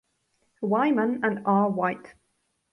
Wyman and R. White.